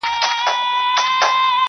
بې یسینه بې وصیته په کفن یو -